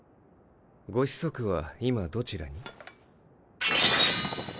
御子息は今どちらに？